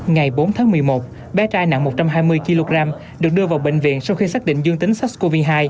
ngày bốn tháng một mươi một bé trai nặng một trăm hai mươi kg được đưa vào bệnh viện sau khi xác định dương tính sars cov hai